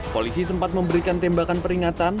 polisi sempat memberikan tembakan peringatan